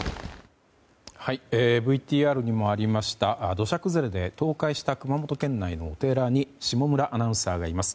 ＶＴＲにもありました土砂崩れで倒壊した熊本県内のお寺に下村アナウンサーがいます。